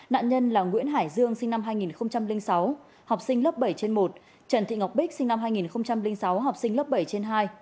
nạn nhân là nguyễn hải dương sinh năm hai nghìn sáu học sinh lớp bảy trên một trần thị ngọc bích sinh năm hai nghìn sáu học sinh lớp bảy trên hai